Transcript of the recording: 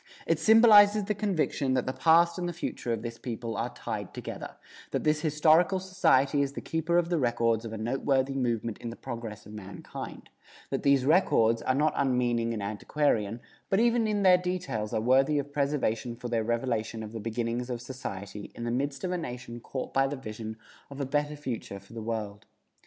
It symbolizes the conviction that the past and the future of this people are tied together; that this Historical Society is the keeper of the records of a noteworthy movement in the progress of mankind; that these records are not unmeaning and antiquarian, but even in their details are worthy of preservation for their revelation of the beginnings of society in the midst of a nation caught by the vision of a better future for the world.